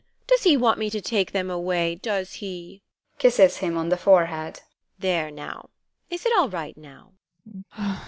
Does he want me to take them away, does he? [Kisses him on the forehead] There now! Is it all right now?